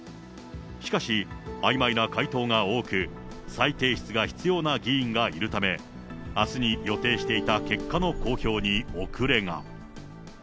しかし、あいまいな回答が多く、再提出が必要な議員がいるため、あすに予定していた結果の公表に遅れが。